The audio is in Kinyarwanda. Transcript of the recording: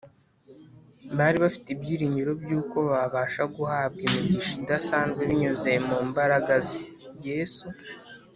. Bari bafite ibyiringiro by’uko babasha guhabwa imigisha idasanzwe binyuze mu mbaraga ze (Yesu)